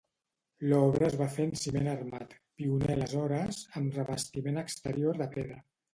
L'obra es va fer en ciment armat –pioner aleshores– amb revestiment exterior de pedra.